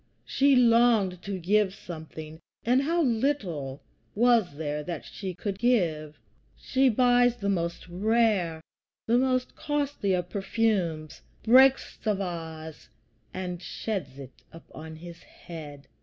She longed to give something, and how little was there that she could give! She buys the most rare, the most costly of perfumes, breaks the vase, and sheds it upon his head.